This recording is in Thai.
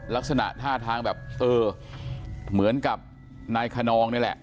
ลักษณะท่าทางแบบเออเหมือนกับนายขนองนี่แหละ